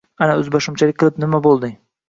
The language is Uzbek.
Ana o‘zboshimchalik qilib, nima bo‘lding?